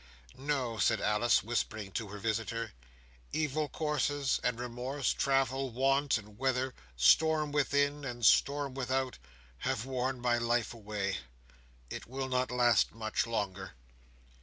"No," said Alice, whispering to her visitor, "evil courses, and remorse, travel, want, and weather, storm within, and storm without, have worn my life away. It will not last much longer.